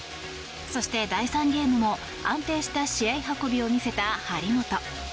そして、第３ゲームも安定した試合運びを見せた張本。